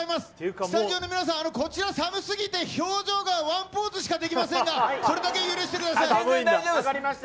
スタジオの皆さん、こちら、寒すぎて表情がワンポーズしかできませんが、それだけは許してく分かりました。